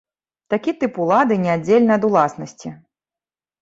Такі тып улады неаддзельны ад уласнасці.